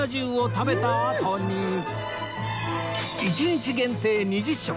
１日限定２０食！